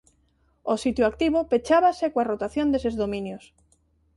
O sitio activo pechábase coa rotación deses dominios.